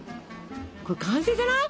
これ完成じゃない？